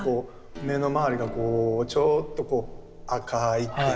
目の周りがこうちょっとこう赤いっていうかね。